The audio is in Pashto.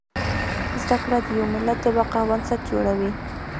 زده کړه د يو ملت د بقا بنسټ جوړوي